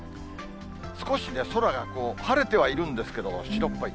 少し空が晴れてはいるんですけども、白っぽい。